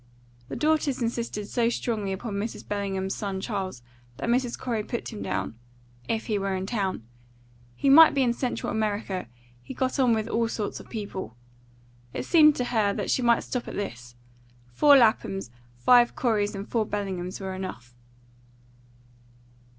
The daughters insisted so strongly upon Mrs. Bellingham's son Charles, that Mrs. Corey put him down if he were in town; he might be in Central America; he got on with all sorts of people. It seemed to her that she might stop at this: four Laphams, five Coreys, and four Bellinghams were enough.